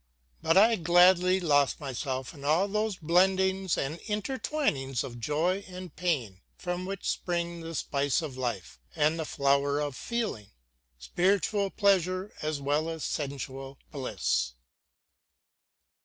But I gladly lost myself in all those blendings and intertwinings of joy and pain from which spring the spice of life and the flower of feeling spiritual pleasure as well as sensual bliss.